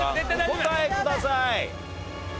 お答えください。